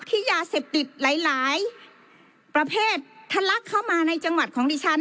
ยาเสพติดหลายประเภททะลักเข้ามาในจังหวัดของดิฉัน